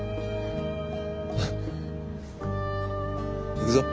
行くぞ。